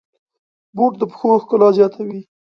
بوټ د پښو ښکلا زیاتوي.